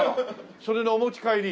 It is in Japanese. それのお持ち帰り？